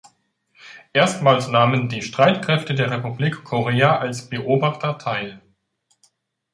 Erstmals nahmen die Streitkräfte der Republik Korea als Beobachter teil.